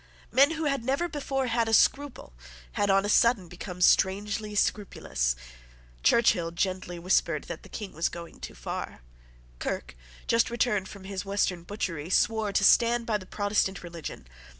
Men who had never before had a scruple had on a sudden become strangely scrupulous. Churchill gently whispered that the King was going too far. Kirke, just returned from his western butchery, swore to stand by the Protestant religion.